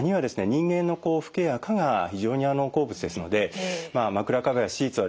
人間のフケや垢が非常に好物ですのでまあ枕カバーやシーツはですね